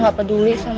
ya aku sama